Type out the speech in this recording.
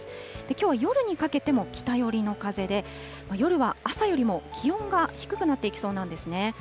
きょうは夜にかけても北寄りの風で、夜は朝よりも気温が低くなっていきそうなんですね。